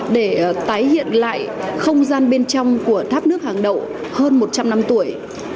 để tái hiện lại không gian bên trong của tháp nước hàng đậu hơn một trăm linh năm tuổi